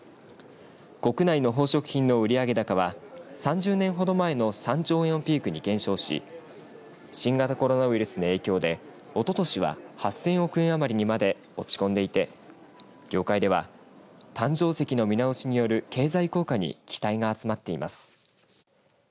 国内の宝飾品の売上高は３０年ほど前の３兆円をピークに減少し新型コロナウイルスの影響でおととしは、８０００億円余りにまで落ち込んでいて業界では誕生石の見直しによる経済効果に期待が集まっています。